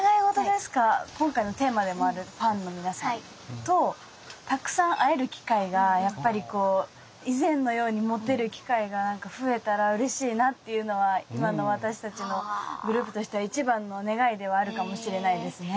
今回のテーマでもあるファンの皆さんとたくさん会える機会がやっぱりこう以前のように持てる機会が増えたらうれしいなっていうのは今の私たちのグループとしては一番の願いではあるかもしれないですね。